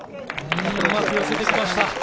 うまく寄せてきました。